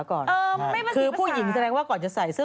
คือผู้หญิงแสดงว่าก่อนจะใส่เสื้อ